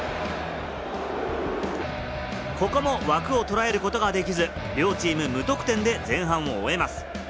ここも枠を捉えることができず、両チーム無得点で前半を終えます。